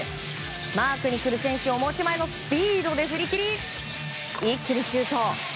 マークに来る選手を持ち前のスピードで振り切り一気にシュート。